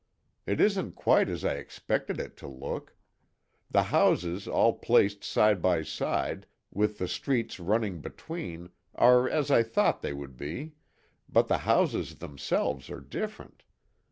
It isn't quite as I expected it to look. The houses all placed side by side, with the streets running between are as I thought they would be, but the houses themselves are different.